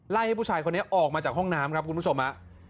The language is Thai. ให้ผู้ชายคนนี้ออกมาจากห้องน้ำครับคุณผู้ชมฮะ